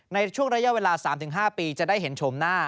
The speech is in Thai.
ในช่วงระยะเวลา๓๕ปีจะได้เห็นชมหน้า